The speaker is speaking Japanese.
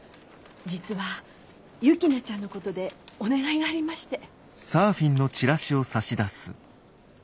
実は雪菜ちゃんのことでお願いがありまして。